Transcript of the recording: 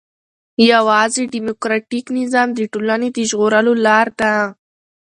يوازي ډيموکراټيک نظام د ټولني د ژغورلو لار ده.